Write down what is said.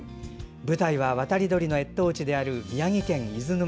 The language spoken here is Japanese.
舞台は渡り鳥の越冬地である宮城県伊豆沼。